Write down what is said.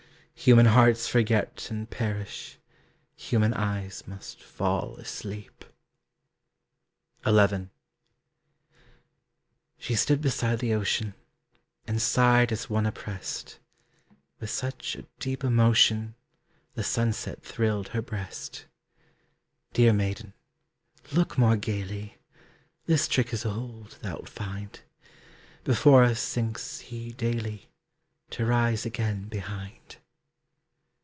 Human hearts forget and perish, Human eyes must fall asleep. XI. She stood beside the ocean, And sighed as one oppressed, With such a deep emotion The sunset thrilled her breast. Dear maiden, look more gayly, This trick is old, thou'lt find. Before us sinks he daily, To rise again behind.